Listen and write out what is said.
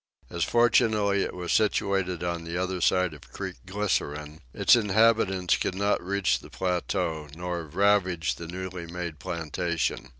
As fortunately it was situated on the other side of Creek Glycerine, its inhabitants could not reach the plateau nor ravage the newly made plantation.